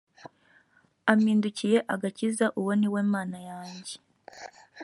ampindukiye agakiza uwo ni we mana yanjye